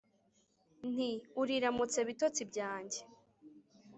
nti : uriramutse bitotsi byanjye